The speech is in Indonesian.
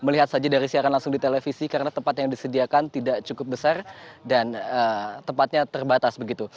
melihat saja dari siaran langsung di televisi karena tempat yang disediakan tidak cukup besar dan tempatnya terbatas begitu